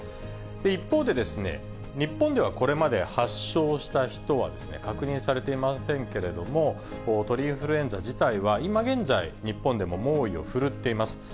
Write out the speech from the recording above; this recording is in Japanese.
一方で、日本ではこれまで発症した人は確認されていませんけれども、鳥インフルエンザ自体は今現在、日本でも猛威を振るっています。